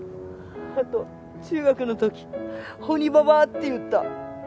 あと中学の時鬼ババアって言った。